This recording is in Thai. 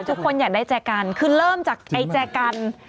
ทุกคนอยากได้แจกันคือเริ่มจากไอแจกัน